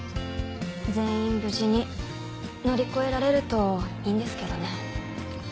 全員無事に乗り越えられるといいんですけどね。